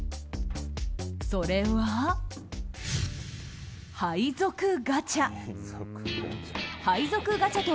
それは、配属ガチャ。